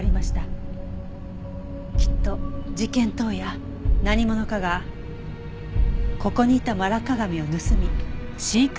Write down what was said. きっと事件当夜何者かがここにいたマラッカガメを盗み。